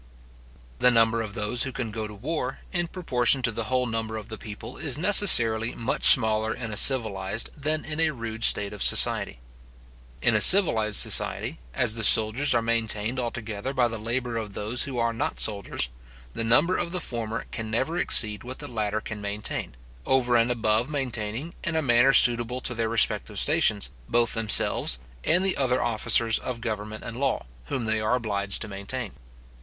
The number of those who can go to war, in proportion to the whole number of the people, is necessarily much smaller in a civilized than in a rude state of society. In a civilized society, as the soldiers are maintained altogether by the labour of those who are not soldiers, the number of the former can never exceed what the latter can maintain, over and above maintaining, in a manner suitable to their respective stations, both themselves and the other officers of government and law, whom they are obliged to maintain.